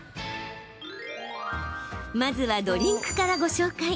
まずは、ドリンクからご紹介。